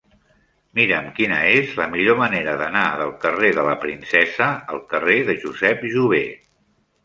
Mira'm quina és la millor manera d'anar del carrer de la Princesa al carrer de Josep Jover.